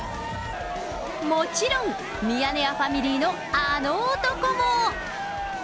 もちろん、ミヤネ屋ファミリーのあの男も。